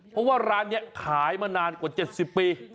เพราะว่าร้านนี้ขายมานานกว่า๗๐ปี